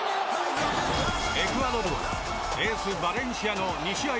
エクアドルはエース、バレンシアの２試合